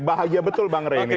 bahagia betul bang ray ini tadi